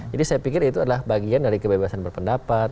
jadi saya pikir itu adalah bagian dari kebebasan berpendapat